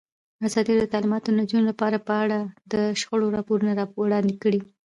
ازادي راډیو د تعلیمات د نجونو لپاره په اړه د شخړو راپورونه وړاندې کړي.